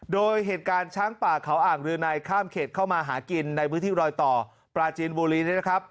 โดยเหตุการณ์ช้างป่าเขาอ่างรืนัยข้ามเขตเข้ามาหากินในพื้นที่รอยต่อปลาจีนบุรีเนี่ยนะครับ